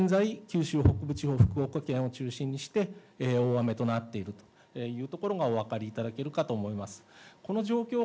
これらによって現在、九州北部地方、福岡県を中心にして、大雨となっている所がお分かりいただけるかと思います。